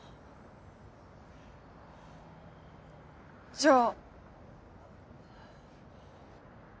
じゃあ。